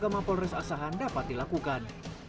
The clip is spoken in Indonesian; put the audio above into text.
ke makol res asahan dapat dilakukan